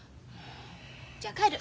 じゃあ帰る。